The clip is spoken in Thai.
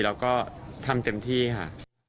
เราก็ทำเต็มที่ค่ะ